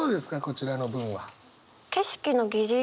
こちらの文は。